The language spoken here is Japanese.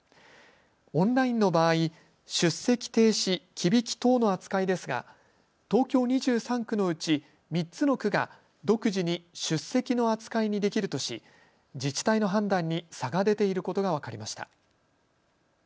オンラインの場合、出席停止・忌引き等の扱いですが東京２３区のうち３つの区が独自に出席の扱いにできるとし自治体の判断に差が出ていることが分かりました。